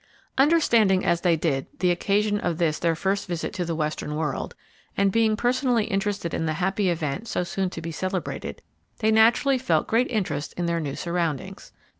Understanding, as they did, the occasion of this their first visit to the western world, and being personally interested in the happy event so soon to be celebrated, they naturally felt great interest in their new surroundings.